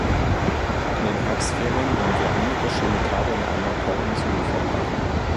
In den Herbstferien haben wir einige schöne Tage in einem Hotel im Süden verbracht.